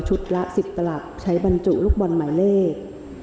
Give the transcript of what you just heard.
ละ๑๐ตลับใช้บรรจุลูกบอลหมายเลข